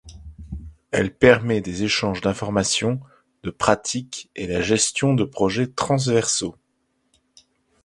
Elle permet des échanges d'informations, de pratiques et la gestion de projets transversaux.